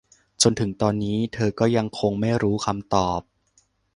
จนถึงตอนนี้เธอก็ยังคงไม่รู้คำตอบ